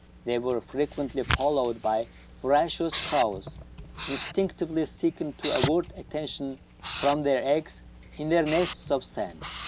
They were frequently followed by vora cious crows, instinctively seeking to avert attention from their eggs in their nests of sand.